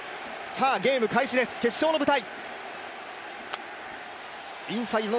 ゲーム開始です、決勝の舞台。